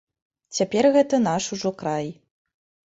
Цяпер гэта наш ужо край.